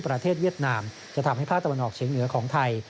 เวียดนามจะทำให้ภาคตะวันออกเฉียงเหนือของไทย